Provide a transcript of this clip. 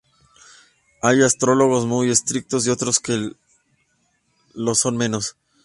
Hay astrólogos muy estrictos y otros que lo son menos.